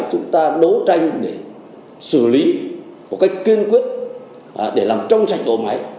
chúng ta đấu tranh để xử lý một cách kiên quyết để làm trong sạch bộ máy